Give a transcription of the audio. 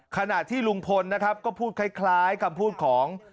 ขณะที่ลุงพลนะครับก็พูดคล้ายคำพูดของ